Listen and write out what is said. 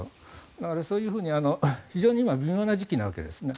だから、そういうふうに非常に今微妙な時期なわけですね。